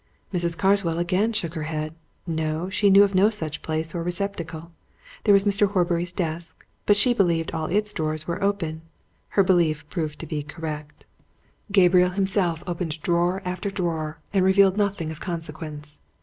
Mrs. Carswell again shook her head. No, she knew of no such place or receptacle. There was Mr. Horbury's desk, but she believed all its drawers were open. Her belief proved to be correct: Gabriel himself opened drawer after drawer, and revealed nothing of consequence.